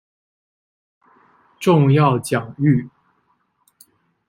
重要奖誉